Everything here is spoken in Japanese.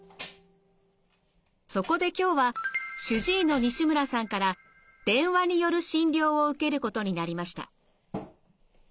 そこで今日は主治医の西村さんから電話による診療を受けることになりました。